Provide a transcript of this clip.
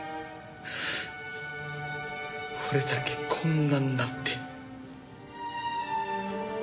俺だけこんなんなって。